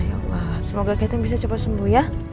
ya allah semoga cathem bisa cepat sembuh ya